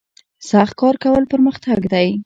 سخت کار کول پرمختګ دی